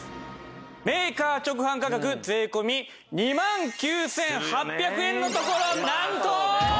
メーカー直販価格税込２万９８００円のところなんと。